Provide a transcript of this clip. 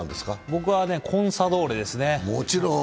僕はコンサドーレですね。